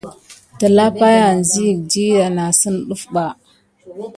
Telapay anziga ɗiɗɑ nà sine ɗef bà.